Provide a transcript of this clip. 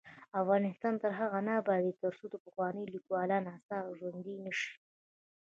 افغانستان تر هغو نه ابادیږي، ترڅو د پخوانیو لیکوالانو اثار ژوندي نشي.